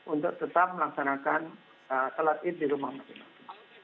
untuk tetap melaksanakan sholat id di rumah masing masing